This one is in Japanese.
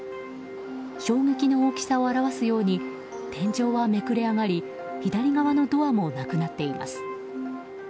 衝撃の大きさを表すように天井はめくれ上がり左側のドアもなくなっています。